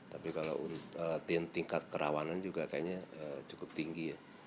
tapi kalau tingkat kerawanan juga kayaknya cukup tinggi ya